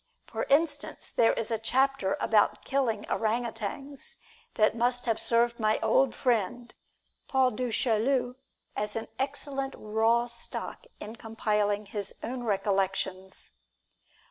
For instance, there is a chapter about killing orang utans that must have served my old friend, Paul du Chaillu, as excellent raw stock in compiling his own recollections.